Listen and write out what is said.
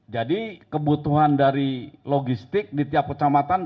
jadi kebutuhan dari logistik di tiap kecamatan